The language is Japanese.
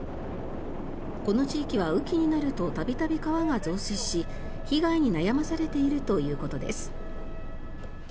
この地域は雨季になると度々川が増水し被害に悩まされているということです。